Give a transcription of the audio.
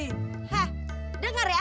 heh dengar ya